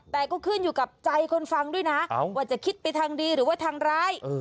แต่ก็ขึ้นอยู่กับใจคนฟังด้วยนะว่าจะคิดไปทางดีหรือว่าทางร้าย